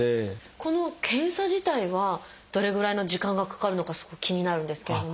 この検査自体はどれぐらいの時間がかかるのかすごく気になるんですけれども。